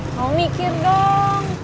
mau mikir dong